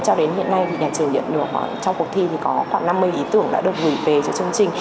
cho đến hiện nay thì nhà trường nhận được trong cuộc thi thì có khoảng năm mươi ý tưởng đã được gửi về cho chương trình